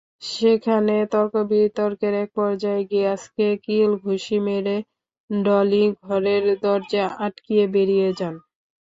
সেখানে তর্ক-বিতর্কের একপর্যায়ে গিয়াসকে কিল-ঘুষি মেরে ডলি ঘরের দরজা আটকিয়ে বেরিয়ে যান।